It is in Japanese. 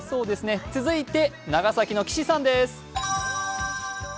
続いて長崎の岸さんです。